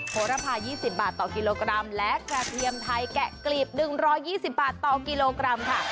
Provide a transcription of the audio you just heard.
โหระพา๒๐บาทต่อกิโลกรัมและกระเทียมไทยแกะกลีบ๑๒๐บาทต่อกิโลกรัมค่ะ